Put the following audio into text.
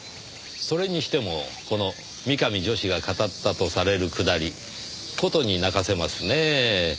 それにしてもこの三上女史が語ったとされるくだり殊に泣かせますねぇ。